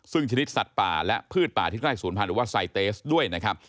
ซึ่งชนิดสัตว์ป่าและพืชป่าที่ใกล้ศูนย์พันธ์หรือว่าไซเตสด้วยนะครับ